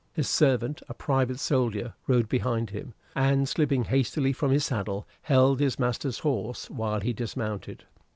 His servant, a private soldier, rode behind him, and, slipping hastily from his saddle, held his master's horse while he dismounted.